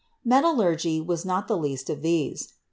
Metallurgy was not the least of these.